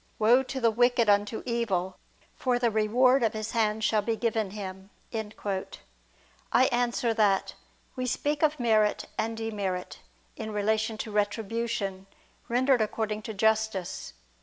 Woe to the wicked unto evil; for the reward of his hands shall be given him." I answer that, We speak of merit and demerit, in relation to retribution, rendered according to justice.